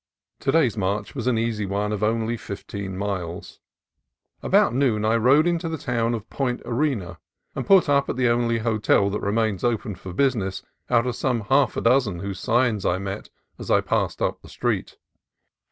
To day's march was an easy one of only fifteen miles. About noon I rode into the town of Point Arena, and put up at the only hotel that remains open for business out of some half dozen whose signs I met as I passed up the street.